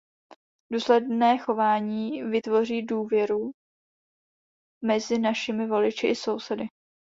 Důsledné chování vytvoří důvěru mezi našimi voliči i sousedy.